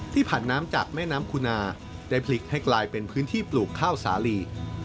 ผ่านน้ำจากแม่น้ำคุณาได้ผลิกให้กลายเป็นพื้นที่ปลูกข้าวสาลี